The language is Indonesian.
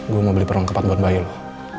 gue mau beli perang kepat buat bayi lo